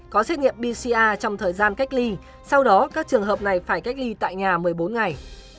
có xét nghiệm pcr trong thời gian cách ly sau đó các trường hợp này phải cách ly tại nhà một mươi bốn ngày